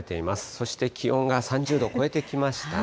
そして気温が３０度を超えてきましたね。